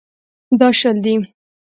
دا شل دي.